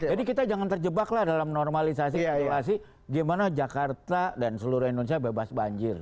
jadi kita jangan terjebak lah dalam normalisasi normalisasi gimana jakarta dan seluruh indonesia bebas banjir